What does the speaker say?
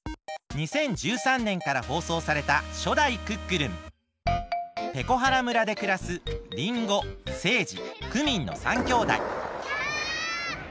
２０１３年から放送されたペコハラ村でくらすリンゴセージクミンの３きょうだいギャッ！